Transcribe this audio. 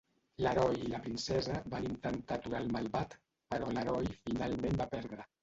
L'Heroi i la Princesa van intentar aturar el malvat, però l'Heroi finalment va perdre.